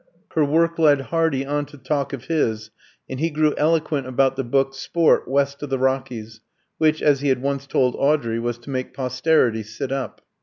Her work led Hardy on to talk of his, and he grew eloquent about the book, "Sport West of the Rockies," which, as he had once told Audrey, was "to make posterity sit up."